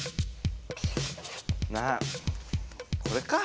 なあこれか。